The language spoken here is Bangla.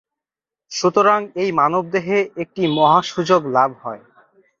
সুতরাং এই মানবদেহে একটি মহা সুযোগ লাভ হয়।